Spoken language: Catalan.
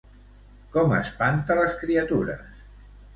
Com espanta les criatures?